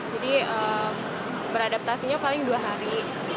jadi beradaptasinya paling dua hari